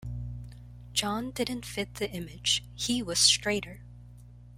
John didn't fit the image; he was straighter.